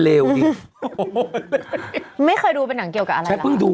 เป็นการกระตุ้นการไหลเวียนของเลือด